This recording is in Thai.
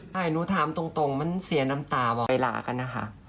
แต่หนูถามตรงมันเสียน้ำตาบ่อยลากันนะคะ